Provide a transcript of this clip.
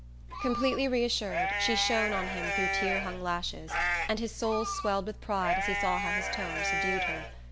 Completely reassured, she shone on him through tear hung lashes, and his soul swelled with pride as he saw how his tone subdued her.